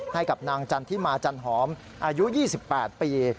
ให้กับนางจันทิมาจันหอมอายุ๒๘ปี